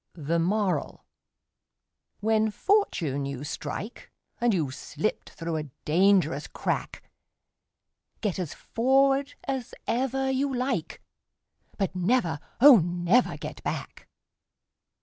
The Moral: When fortune you strike, And you've slipped through a dangerous crack, Get as forward as ever you like, But never, oh, never get back!